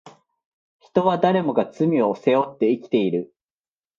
人は誰もが罪を背負って生きている